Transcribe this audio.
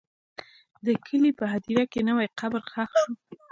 د کلي په هدیره کې نوی قبر ښخ شو.